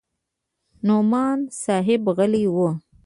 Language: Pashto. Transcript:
نعماني صاحب غلى و.